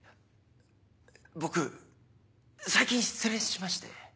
僕最近失恋しまして。